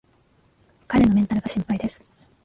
彼のメンタルが心配です